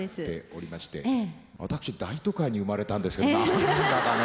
私大都会に生まれたんですけど何だかね。